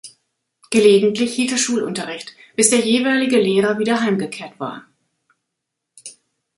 Gelegentlich hielt er Schulunterricht, bis der jeweilige Lehrer wieder heimgekehrt war.